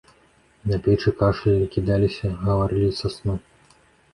На печы кашлялі, кідаліся, гаварылі са сну.